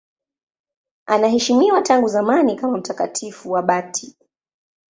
Anaheshimiwa tangu zamani kama mtakatifu abati.